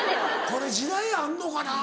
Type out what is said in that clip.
これ時代あんのかな。